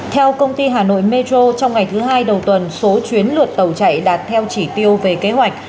theo công ty hà nội metro trong ngày thứ hai đầu tuần số chuyến lượt tàu chạy đạt theo chỉ tiêu về kế hoạch